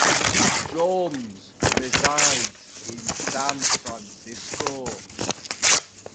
Jones resides in San Francisco.